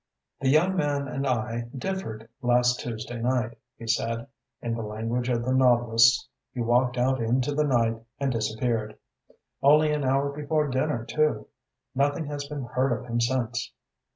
"The young man and I differed last Tuesday night," he said. "In the language of the novelists, he walked out into the night and disappeared. Only an hour before dinner, too. Nothing has been heard of him since."